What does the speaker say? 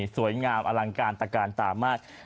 สวยงามอลังการตะการตามาศ